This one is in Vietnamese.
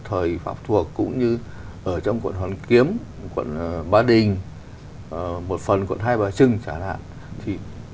thời pháp thuộc cũng như ở trong quận hoàn kiếm quận ba đình một phần quận hai bà trưng chẳng hạn